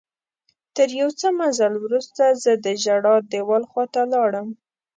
تر یو څه مزل وروسته زه د ژړا دیوال خواته لاړم.